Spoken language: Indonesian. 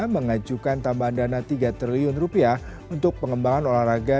mengajukan tambahan dana tiga triliun rupiah untuk pengembangan olahraga